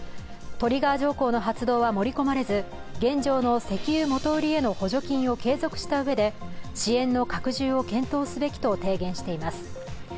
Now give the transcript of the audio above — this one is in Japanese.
トリガー条項の発動は盛り込まれず、現状の石油元売りへの補助金を継続したうえで支援の拡充を検討すべきと提言しています。